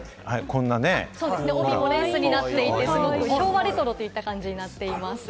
帯もレースになっていて、昭和レトロという感じになっています。